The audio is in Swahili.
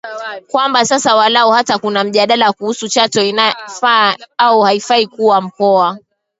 kwamba sasa walau hata kuna mjadala kuhusu Chato inafaa au haifai kuwa mkoa